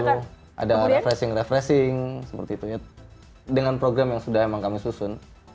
lalu ada refreshing refreshing seperti itu ya dengan program yang sudah emang kami susun